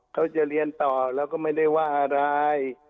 เขาจะเรียนต่อแล้วก็ไม่ได้ว่าอะไร